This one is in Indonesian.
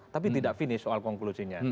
tapi tidak finish soal konklusinya